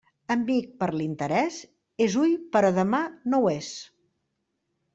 Amic per l'interés, és hui però demà no ho és.